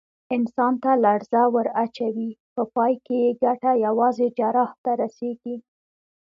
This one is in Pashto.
انسان ته لړزه ور اچوي، په پای کې یې ګټه یوازې جراح ته رسېږي.